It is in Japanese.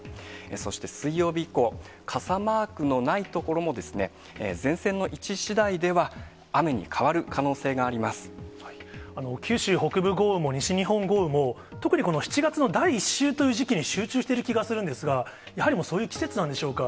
そして水曜日以降、傘マークのない所も前線の位置しだいでは、雨に変わる可能性があ九州北部豪雨も西日本豪雨も、特にこの７月の第１週という時期に集中している気がするんですが、やはりもう、そういう季節なんでしょうか。